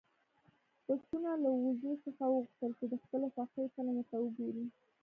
پسونه له وزې څخه وغوښتل چې د خپلې خوښې فلم ورته وګوري.